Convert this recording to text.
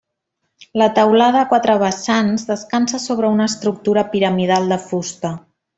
La teulada a quatre vessants descansa sobre una estructura piramidal de fusta.